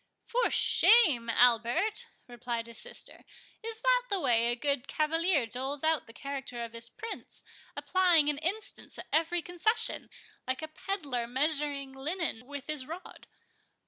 "For shame, Albert!" replied his sister; "is that the way a good cavalier doles out the character of his Prince, applying an instance at every concession, like a pedlar measuring linen with his rod?